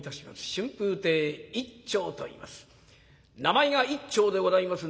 春風亭一朝といいます。